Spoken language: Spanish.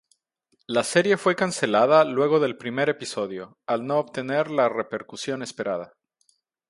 La serie fue cancelada luego del primer episodio, al no obtener la repercusión esperada.